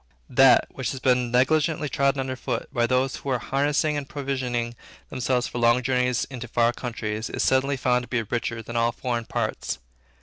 That, which had been negligently trodden under foot by those who were harnessing and provisioning themselves for long journeys into far countries, is suddenly found to be richer than all foreign parts.